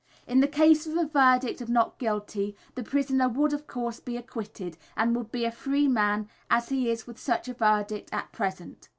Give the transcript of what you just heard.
In the case of a verdict of "Not Guilty" the prisoner would, of course, be acquitted, and would be a free man as he is with such a verdict at present.